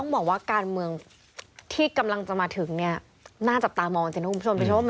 ต้องบอกว่าการเมืองที่กำลังจะมาถึงน่าจับตามองได้นะพูดผู้ชม